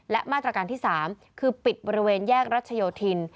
และมาตรการที่๓คือปิดบริเวณแยกรัชโยธิน